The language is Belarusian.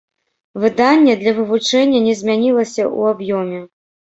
Выданне для вывучэння не змянілася ў аб'ёме.